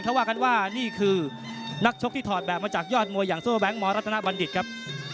ถ้าว่ากันว่านี่คือนักชกที่ถอดแบบมาจากยอดมวยอย่างโซ่แก๊งมรัตนบัณฑิตครับ